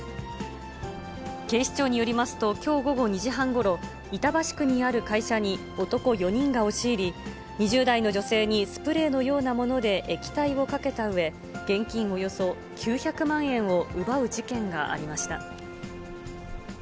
警視庁によりますと、きょう午後２時半ごろ、板橋区にある会社に男４人が押し入り、２０代の女性にスプレーのようなもので液体をかけたうえ、現金およそ９００万円を奪う事件がありました。